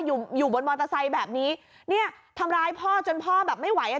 อยู่อยู่บนมอเตอร์ไซค์แบบนี้เนี่ยทำร้ายพ่อจนพ่อแบบไม่ไหวอ่ะ